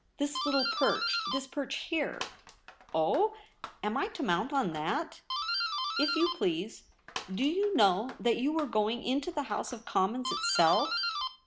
This little perch — this perch here.' ' Oh ! am I to mount on that ?'' If you please. Do you know that you were going into the House of Commons itself